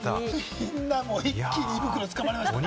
みんなもう一気に胃袋をつかまれましたね。